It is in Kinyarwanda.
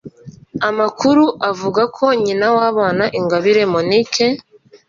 Amakuru avuga ko Nyina w’abana Ingabire Monique